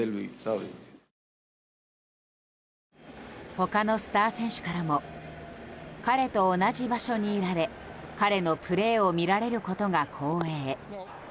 他のスター選手からも彼と同じ場所にいられ彼のプレーを見られることが光栄。